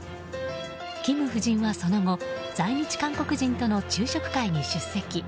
キム夫人はその後在日韓国人との昼食会に出席。